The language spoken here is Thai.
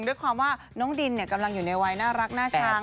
ด้วยความว่าน้องดินกำลังอยู่ในวัยน่ารักน่าชัง